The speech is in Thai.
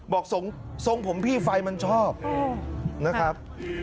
บอกทรงผมพี่ไฟมันชอบนะครับ